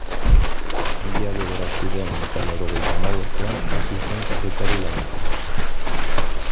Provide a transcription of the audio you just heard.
Mila bederatziehun eta laurogeita hamabostean hasi zen kazetari lanetan.